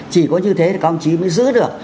chỉ có như thế thì các đồng chí mới giữ được